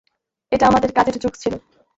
এটা আমাদের কাজের জোক্স ছিলো।